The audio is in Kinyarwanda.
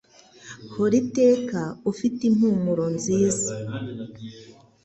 Hora iteka ufite impumuro nziz